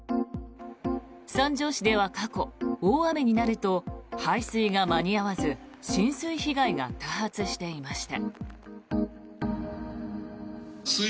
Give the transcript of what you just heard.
三条市では過去、大雨になると排水が間に合わず浸水被害が多発していました。